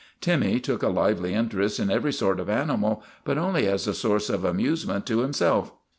Timmy took a lively interest in every sort of animal, but only as a source of amusement to himself.